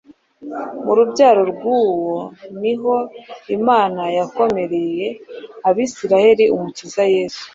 Mu rubyaro rw’uwo ni ho Imana yakomoreye Abisirayeli Umukiza Yesu,